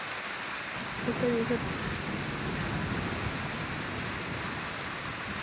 Esta diosa tendría la función de presidir el acto de consumación del matrimonio.